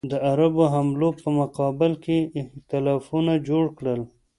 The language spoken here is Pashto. د عربو حملو په مقابل کې ایتلافونه جوړ کړل.